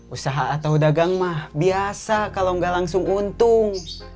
usaha atau dagang mah biasa kalau nggak langsung untung